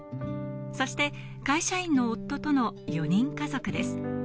そして、会社員の夫との４人家族です。